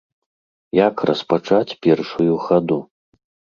Як распачаць першую хаду?